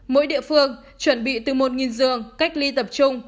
mỗi địa phương chuẩn bị từ một giường cách ly tập trung